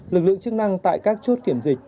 lực lượng chức năng tại các chốt kiểm dịch